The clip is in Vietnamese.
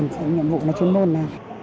ngoại chuyên môn